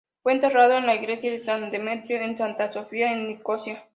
Fue enterrado en la iglesia de San Demetrio en Santa Sofía, en Nicosia.